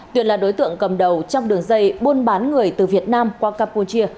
tuyền là đối tượng cầm đầu trong đường dây buôn bán người từ việt nam qua campuchia